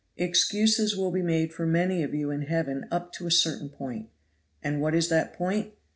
Excuses will be made for many of you in heaven up to a certain point. And what is that point?